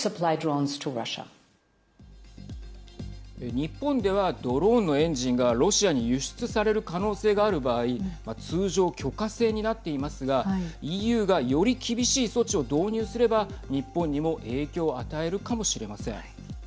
日本ではドローンのエンジンがロシアに輸出される可能性がある場合通常許可制になっていますがＥＵがより厳しい措置を導入すれば日本にも影響を与えるかもしれません。